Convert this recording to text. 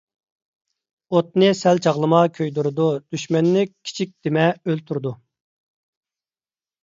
ئوتنى سەل چاغلىما، كۆيدۈرىدۇ، دۈشمەننى كىچىك دىمە، ئۆلتۈرىدۇ.